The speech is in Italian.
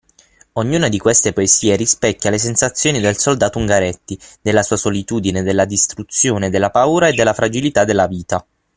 Ognuna di queste poesie rispecchia le sensazioni del soldato Ungaretti, della sua solitudine, della distruzione, della paura e della fragilità della vita.